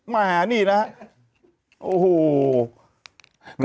มานี่นะฮะ